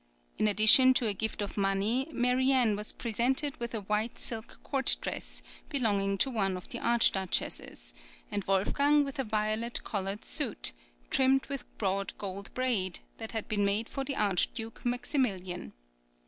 In addition to a gift of money Marianne was presented with a white silk court dress, belonging to one of the Archduchesses, and Wolfgang with a violet coloured suit, trimmed with broad gold braid, that had been made for the Archduke Maximilian.